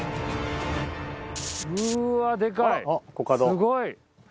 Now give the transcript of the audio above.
すごい！